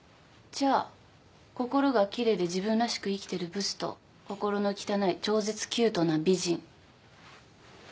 じゃあ心が奇麗で自分らしく生きてるブスと心の汚い超絶キュートな美人。